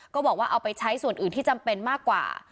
บอกว่าเอาไปใช้ส่วนอื่นที่จำเป็นมากกว่า